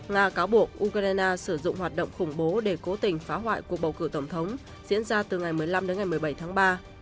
nga cáo buộc ukraine sử dụng hoạt động khủng bố để cố tình phá hoại cuộc bầu cử tổng thống diễn ra từ ngày một mươi năm đến ngày một mươi bảy tháng ba